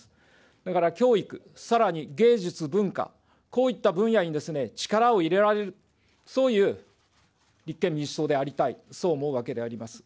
だから教育、さらに芸術、文化、こういった分野に力を入れられる、そういう立憲民主党でありたい、そう思うわけであります。